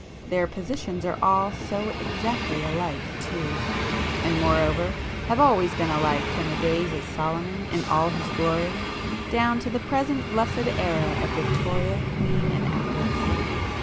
Their positions are all so exactly alike too,—and moreover have always been alike from the days of Solomon in all his glory, down to the present blessed era of Victoria, Queen and Empress.